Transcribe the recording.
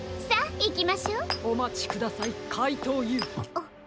あっ。